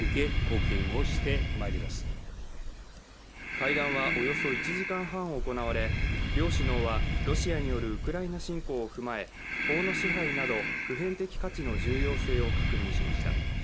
会談はおよそ１時間半行われ両首脳はロシアによるウクライナ侵攻を踏まえ、法の支配など普遍的価値の重要性を確認しました。